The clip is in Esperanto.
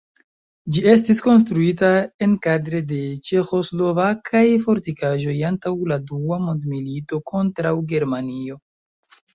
Ĝi estis konstruita enkadre de ĉeĥoslovakaj fortikaĵoj antaŭ la dua mondmilito kontraŭ Germanio.